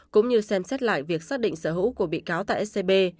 cũng như xem xét lại việc xác định sở hữu của bị cáo tại scb